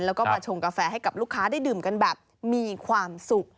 แล้วก็มาชงกาแฟให้กับลูกค้าได้ดื่มกันแบบมีความสุข